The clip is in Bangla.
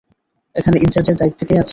এখানে ইনচার্জের দায়িত্বে কে আছে?